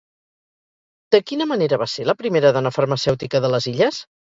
De quina manera va ser la primera dona farmacèutica de les illes?